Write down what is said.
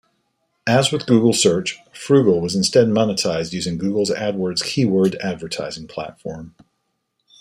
As with Google Search, Froogle was instead monetized using Google's AdWords keyword advertising platform.